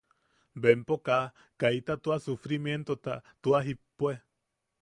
Bempo kaa... kaita tua sufrimientota tua jippue.